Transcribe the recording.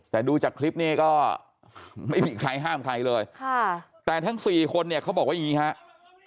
แต่ดูจากคลิปนี้ก็ไม่มีใครห้ามใครเลยค่ะแต่ทั้งสี่คนเนี่ยเขาบอกว่าอย่างนี้ครับ